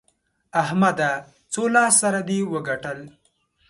احمده! څو لاس سره دې وګټل؟